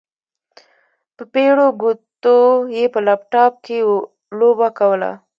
په پېړو ګوتو يې په لپټاپ کې لوبه کوله.